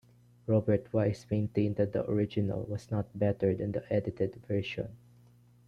Robert Wise maintained that the original was not better than the edited version.